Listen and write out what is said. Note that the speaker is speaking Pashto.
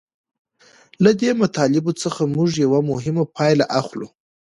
له دې مطالبو څخه موږ یوه مهمه پایله اخلو